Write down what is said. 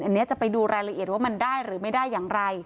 อันนี้จะไปดูรายละเอียดว่ามันได้หรือไม่ได้อย่างไร